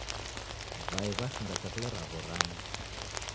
W'ai w'ashinga chakule raw'o rangi.